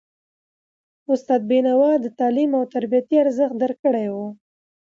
استاد بینوا د تعلیم او تربیې ارزښت درک کړی و.